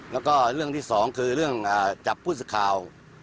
แล้วก็เรื่องที่สองคือเรื่องจับผู้สื่อข่าว